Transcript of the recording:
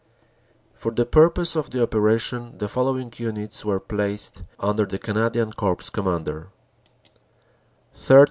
For the purpose of the operation the following units were placed under the Canadian Corps Commander: 3rd.